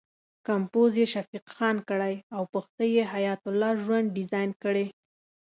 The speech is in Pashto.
کمپوز یې شفیق خان کړی او پښتۍ یې حیات الله ژوند ډیزاین کړې.